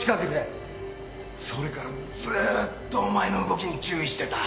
それからずっとお前の動きに注意してた。